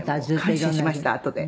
感心しましたあとで。